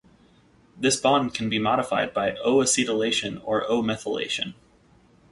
This bond can be modified by O-acetylation or O-methylation.